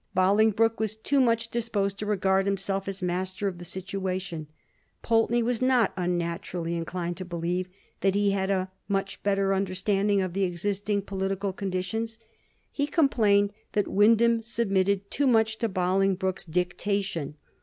Bolingbroke was too much disposed to regard himself as master of the situation; Pulteney was not unnaturally in clined to believe that he had a much better understanding of the existing political conditions ; he complained that Wyndham submitted too much to Bolingbroke's dictation.